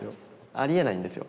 ありえないんですよ。